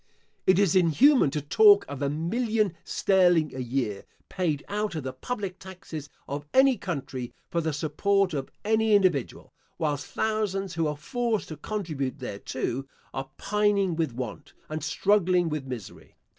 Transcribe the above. It is inhuman to talk of a million sterling a year, paid out of the public taxes of any country, for the support of any individual, whilst thousands who are forced to contribute thereto, are pining with want, and struggling with misery.